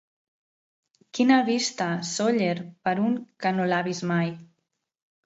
Quina vista, Sóller, per un que no l'ha vist mai!